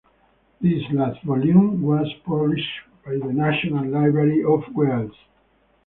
This last volume was published by the National Library of Wales.